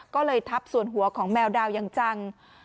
ก็เลยทับส่วนหัวของแมวดาวอย่างจัง